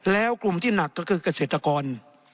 แล้วกลุ่มที่หนักก็คือเกษตรกร